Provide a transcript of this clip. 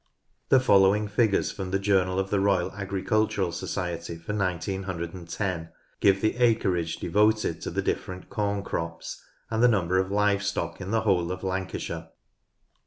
The following figures from the Journal of the Royal Agricultural Society for 1910 give the acreage devoted to the different corn crops and the number of live stock in the whole of Lancashire (see pp.